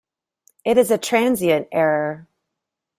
It is a transient error.